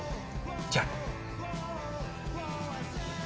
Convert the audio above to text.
じゃあ。